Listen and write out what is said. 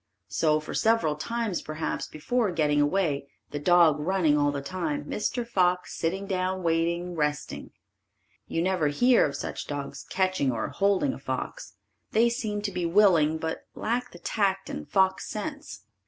So for several times, perhaps, before getting away, the dog running all the time, Mr. Fox sitting down waiting, resting. You never hear of such dogs catching or holding a fox. They seem to be willing but lack the tact and fox sense.